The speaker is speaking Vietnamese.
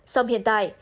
xong hiện tại